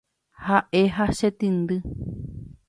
Ha'e ha chetĩndy.